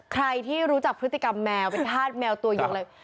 ใครที่รู้จักพฤติกรรมแมวเป็นธาตุแมวตัวยกเลย